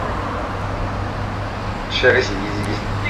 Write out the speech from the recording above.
樊子鹄被加仪同三司。